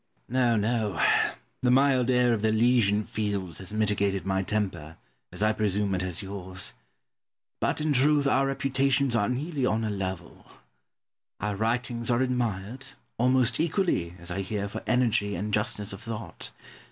Pope. No, no; the mild air of the Elysian Fields has mitigated my temper, as I presume it has yours. But, in truth, our reputations are nearly on a level. Our writings are admired, almost equally (as I hear) for energy and justness of thought.